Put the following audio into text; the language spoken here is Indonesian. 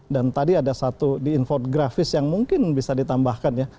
dan tadi ada satu di infografis yang mungkin bisa ditambahkan ya